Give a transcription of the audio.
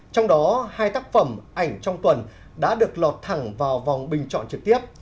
trong đó hai tác phẩm ảnh trong tuần đã được lọt thẳng vào vòng bình chọn trực tiếp